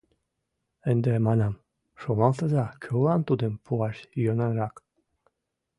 Ынде, — манам, — шоналтыза, кӧлан тудым пуаш йӧнанрак.